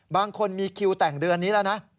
บางคนมีคิวแต่งเดือนนี้แล้วนะ